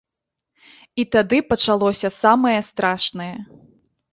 І тады пачалося самае страшнае.